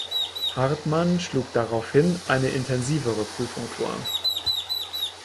Hartmann schlug daraufhin eine intensivere Prüfung vor.